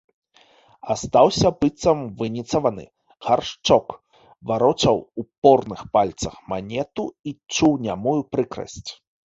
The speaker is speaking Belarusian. Астаўся быццам выніцаваны Гаршчок, варочаў у порных пальцах манету і чуў нямую прыкрасць.